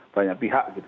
banyak pihak gitu